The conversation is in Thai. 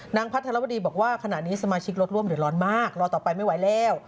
พัทรวดีบอกว่าขณะนี้สมาชิกรถร่วมเดือดร้อนมากรอต่อไปไม่ไหวแล้ว